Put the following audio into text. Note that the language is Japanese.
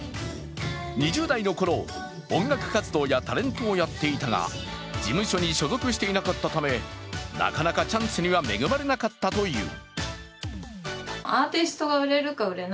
２０代のころ、音楽活動やタレントをやっていたが、事務所に所属していなかったためなかなかチャンスに恵まれなかったという。